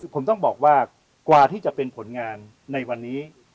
ผมต้องบอกว่ากว่าที่จะเป็นผลงานในวันนี้